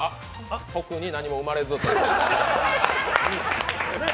あ、特に何も生まれず。